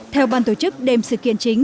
theo ban tổ chức đêm sự kiện chính